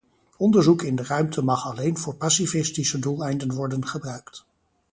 Onderzoek in de ruimte mag alleen voor pacifistische doeleinden worden gebruikt.